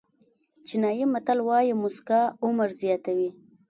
چینایي متل وایي موسکا عمر زیاتوي.